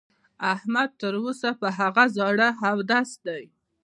احمد تر اوسه پر هغه زاړه اودس دی.